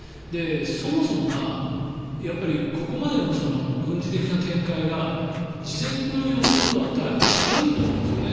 そもそもがここまでの軍事的な展開が事前の予想とはだいぶ違うと思うんですよね。